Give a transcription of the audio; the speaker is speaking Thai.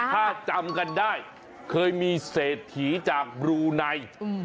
ถ้าจำกันได้เคยมีเศรษฐีจากบลูไน